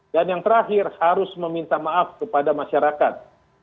dan yang terakhir harus meminta maaf kepada masyarakat